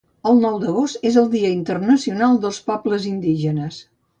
El nou d'agost és el dia internacional dels pobles indígenes